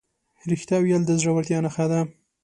رښتیا ویل د زړهورتیا نښه ده.